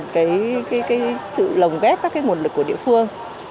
cái sự lồng ghép các cái nguồn lực của địa phương